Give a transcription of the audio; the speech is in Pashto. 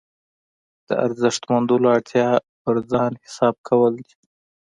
د ارزښت موندلو اړتیا پر ځان حساب کول ده.